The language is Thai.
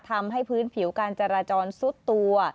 ทำให้พื้นผิวการจราจรซุดตัว